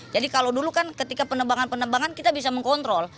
jadi kalau dulu kan ketika penebangan penebangan kita bisa mengkontrol